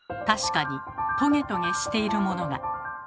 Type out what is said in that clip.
確かにトゲトゲしているものが。